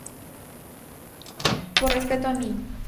Por respeto a mí.